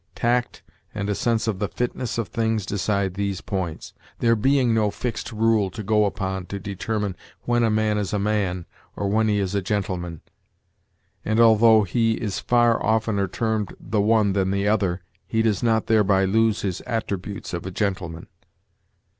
Tact and a sense of the fitness of things decide these points, there being no fixed rule to go upon to determine when a man is a man or when he is a gentleman; and, although he is far oftener termed the one than the other, he does not thereby lose his attributes of a gentleman.